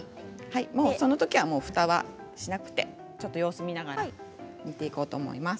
そのときはふたはしなくてちょっと様子を見ながら煮ていこうと思います。